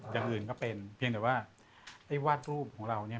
อย่างอื่นก็เป็นเพียงแต่ว่าไอ้วาดรูปของเราเนี่ย